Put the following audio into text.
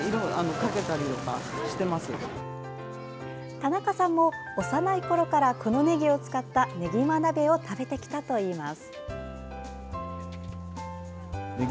田中さんも幼いころからこのねぎを使ったねぎま鍋を食べてきたといいます。